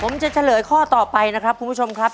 ผมจะเฉลยข้อต่อไปนะครับคุณผู้ชมครับ